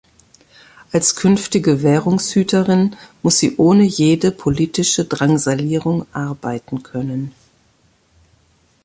Als künftige Währungshüterin muss sie ohne jede politische Drangsalierung arbeiten können.